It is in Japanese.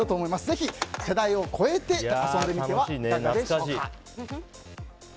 ぜひ世代を超えて遊んでみてはいかがでしょうか。